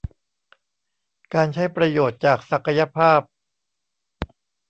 การใช้ประโยชน์จากศักยภาพ